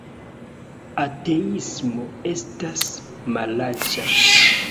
Ateismo estas malaĉa